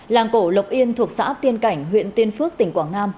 làng cổ lộc yên thuộc xã tiên cảnh huyện tiên phước tỉnh quảng nam